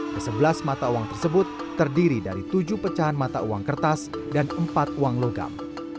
kesebelas mata uang tersebut terdiri dari tujuh pecahan mata uang kertas dan empat uang logam